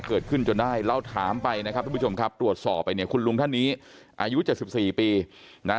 เกิดขึ้นจนได้เราถามไปนะครับทุกผู้ชมครับตรวจสอบไปเนี่ยคุณลุงท่านนี้อายุ๗๔ปีนะ